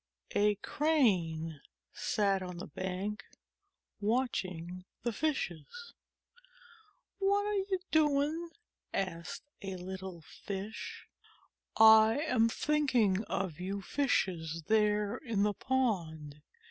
A Crane sat on the bank watching the Fishes. "What are you doing?" asked a little Fish. "I am thinking about you Fishes there in the pond.